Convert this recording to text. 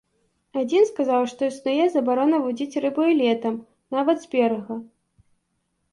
Адзін сказаў, што існуе забарона вудзіць рыбу і летам, нават з берага.